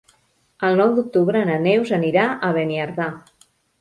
El nou d'octubre na Neus anirà a Beniardà.